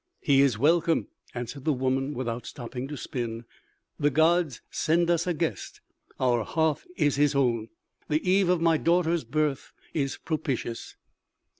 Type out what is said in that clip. "He is welcome," answered the woman without stopping to spin. "The gods send us a guest, our hearth is his own. The eve of my daughter's birth is propitious."